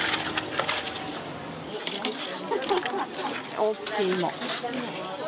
大きい芋。